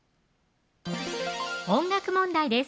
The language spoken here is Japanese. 音楽問題です